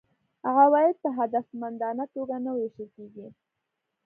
عواید په هدفمندانه توګه نه وېشل کیږي.